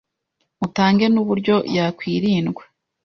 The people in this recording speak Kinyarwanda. mutange n’uburyo yakwirindwa